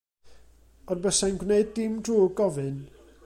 Ond buasai'n gwneud dim drwg gofyn.